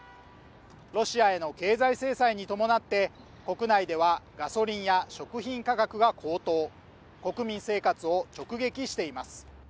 ロシアへの経済制裁に伴って国内ではガソリンや食品価格が高騰国民生活を直撃しています